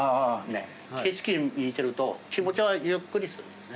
景色見てると気持ちがゆっくりするんだよね